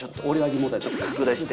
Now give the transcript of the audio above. ちょっと拡大して。